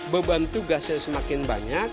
beban tugasnya semakin banyak